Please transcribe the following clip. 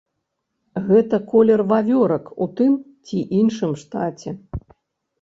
Гэта колер вавёрак у тым ці іншым штаце.